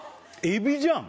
エビじゃん